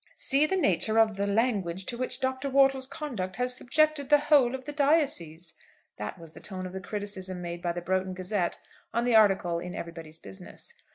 "See the nature of the language to which Dr. Wortle's conduct has subjected the whole of the diocese!" That was the tone of the criticism made by the 'Broughton Gazette' on the article in 'Everybody's Business.'